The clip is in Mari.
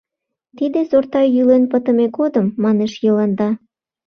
— Тиде сорта йӱлен пытыме годым, — манеш Йыланда.